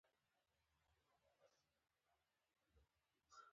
زمري وویل چې دا ته نه یې چې ما ته بد وایې.